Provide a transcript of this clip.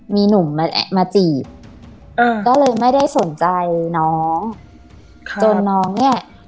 มีหนุ่มมามาจีบอ่าก็เลยไม่ได้สนใจน้องค่ะจนน้องเนี่ย